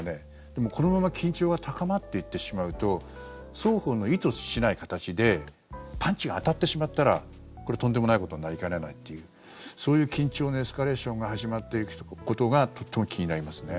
でも、このまま緊張が高まっていってしまうと双方の意図しない形でパンチが当たってしまったらこれはとんでもないことになりかねないというそういう緊張のエスカレーションが始まっていくことがとっても気になりますね。